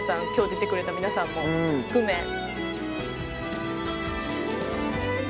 今日出てくれた皆さんも含め。